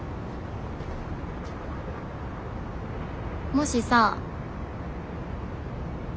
もしさ。